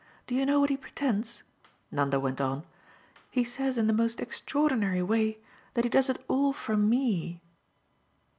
Do you know what he pretends?" Nanda went on. "He says in the most extraordinary way that he does it all for ME."